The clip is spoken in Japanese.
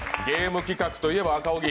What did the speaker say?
ゲーム企画といえば赤荻！